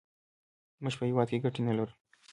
موږ په هېواد کې ګټې نه لرو.